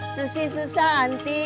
susi susah anti